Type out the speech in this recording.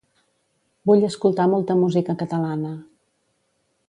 Vull escoltar molta música catalana.